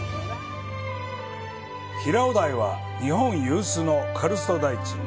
平尾台は日本有数のカルスト台地。